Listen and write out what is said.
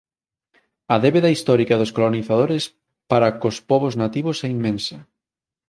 A débeda histórica dos colonizadores para cos pobos nativos é inmensa.